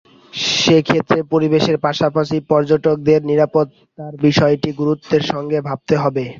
সে ক্ষেত্রে পরিবেশের পাশাপাশি পর্যটকদের নিরাপত্তার বিষয়টিও গুরুত্বের সঙ্গে ভাবতে হবে।